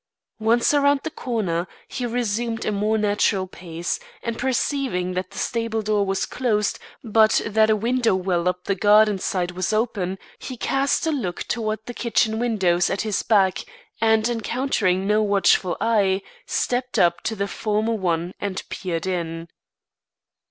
Once around the corner, he resumed a more natural pace, and perceiving that the stable door was closed but that a window well up the garden side was open, he cast a look towards the kitchen windows at his back, and, encountering no watchful eye, stepped up to the former one and peered in.